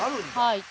はい！